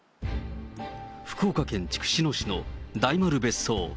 福岡県筑紫野市の大丸別荘。